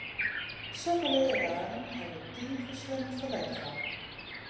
Sokke leararen hawwe wy tige slim ferlet fan!